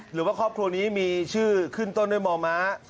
หรือว่าครอบครัวนี้มีชื่อขึ้นต้นด้วยมม